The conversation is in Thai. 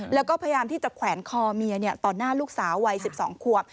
แล้วก็พยายามที่จะแขวนคอเมียต่อหน้าลูกสาววัย๑๒ควบ